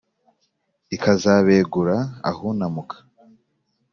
ikazabegura ahunamuka